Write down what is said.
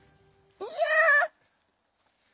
いや！